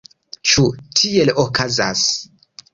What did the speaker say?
Ĉu tiel okazas?